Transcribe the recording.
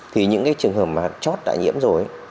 thì những cái trường hợp mà chót đã nhiễm rồi